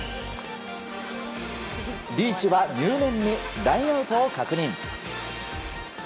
リーチは入念にラインアウトを確認。